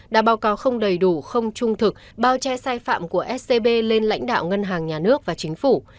đã báo cáo không đầy đủ không trung thực bao che sai phạm của scb lên lãnh đạo ngân hàng nhà nước và chính phủ